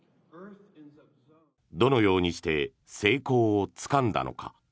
どのようにして成功をつかんだのか。